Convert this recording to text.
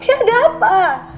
ini ada apa